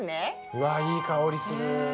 わいい香りする。